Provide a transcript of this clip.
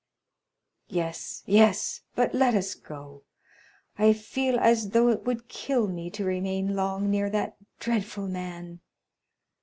"Yes, yes; but let us go. I feel as though it would kill me to remain long near that dreadful man."